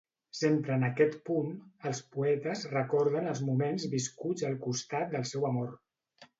Sempre en aquest punt, els poetes recorden els moments viscuts al costat del seu amor.